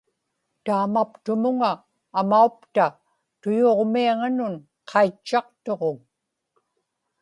taamaptumuŋa amaupta tuyuġmiaŋanun qaitchaqtuġuŋ